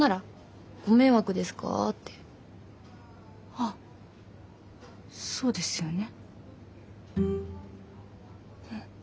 あそうですよね。